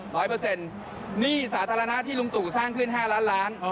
๑๐๐หนี้สาธารณะที่ลุงตู่สร้างขึ้น๕ล้านล้าน